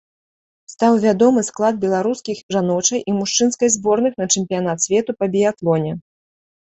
Стаў вядомы склад беларускіх жаночай і мужчынскай зборных на чэмпіянат свету па біятлоне.